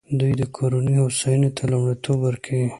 دوی د کورنیو هوساینې ته لومړیتوب ورکوي.